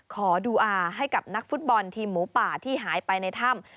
ขอดูอาให้กับนักฟุตบอลทีมหมูป่าที่หายไปในถ้ำ